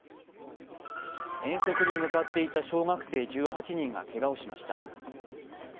遠足に向かっていた小学生１８人がけがをしました。